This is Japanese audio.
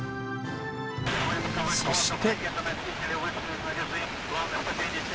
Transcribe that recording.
そして。